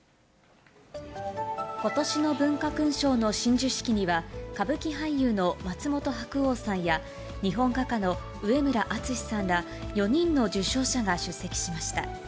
ことしの文化勲章の親授式には、歌舞伎俳優の松本白鸚さんや日本画家の上村淳之さんら、４人の受章者が出席しました。